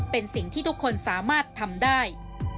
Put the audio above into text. เป็นสิ่งที่ทุกคนสามารถทำได้